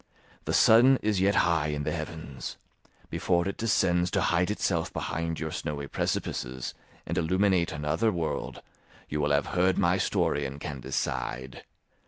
The sun is yet high in the heavens; before it descends to hide itself behind your snowy precipices and illuminate another world, you will have heard my story and can decide.